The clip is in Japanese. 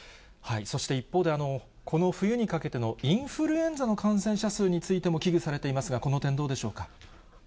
そして一方で、この冬にかけてのインフルエンザの感染者数についても、危惧されていますが、この点どうでしょうか。